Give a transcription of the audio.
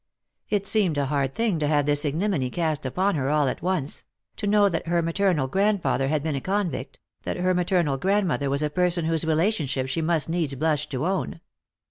It seemed a hard thing to have this ignominy cast upon her all at once; to know that her maternal grandfather had been a convict, that her maternal grandmother was a person whose relationship she must needs blush to own.